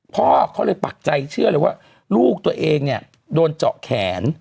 พ่อเขาเลยปักใจเชื่อเลยว่าลูกตัวเองเนี่ยโดนเจาะแขน